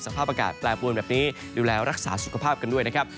สภาพอากาศแปรปวนแบบนี้ดูแลรักษาสุขภาพกันด้วยนะครับ